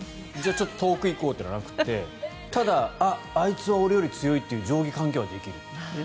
ちょっと遠く行こうというのはなくてただあっ、あいつは俺より強いという上下関係はできる。